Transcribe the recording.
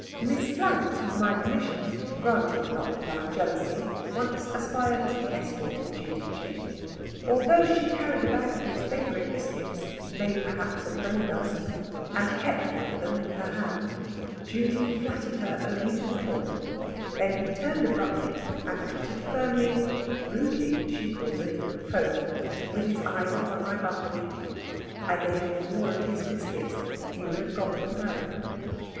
Miss Flounce, with my permission, granted not without jealousy, once aspired to the escort of Giudice. Although she carried a bag of his favourite biscuits (made perhaps of bone dust), and kept one of them in her hand, Judy flattered her only to the corner; then he turned abruptly, and trotted firmly (rudely she called it) home, with his eyes upon my balcony. I gave him more of his biscuits than he would have got from her.